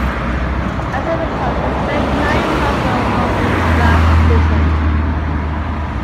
As a result he spent nine months in Wormwood Scrubs prison.